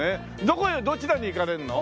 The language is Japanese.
どこへどちらに行かれるの？